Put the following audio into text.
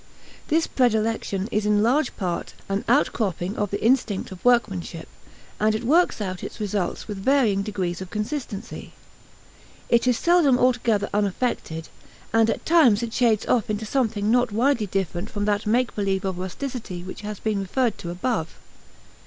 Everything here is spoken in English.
This predilection is in large part an outcropping of the instinct of workmanship; and it works out its results with varying degrees of consistency. It is seldom altogether unaffected, and at times it shades off into something not widely different from that make believe of rusticity which has been referred to above.